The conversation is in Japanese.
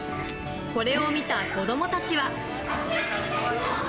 これを見た、子供たちは。